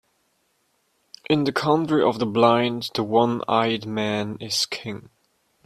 In the country of the blind, the one-eyed man is king.